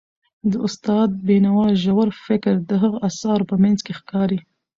د استاد بینوا ژور فکر د هغه د اثارو په منځ کې ښکاري.